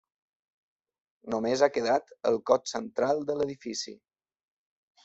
Només ha quedat el cos central de l'edifici.